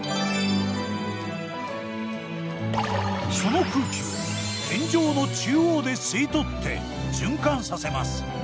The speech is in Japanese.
その空気を天井の中央で吸い取って循環させます。